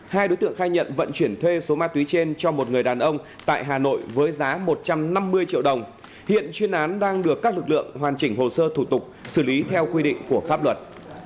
hai đối tượng khai nhận vận chuyển thuê số ma túy trên cho một người đàn ông tại hà nội với giá một trăm năm mươi triệu đồng hiện chuyên án đang được các lực lượng hoàn chỉnh hồ sơ thủ tục xử lý theo quy định của pháp luật